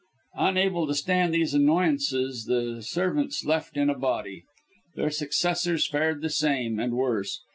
Unable to stand these annoyances the servants left in a body. Their successors fared the same, and worse.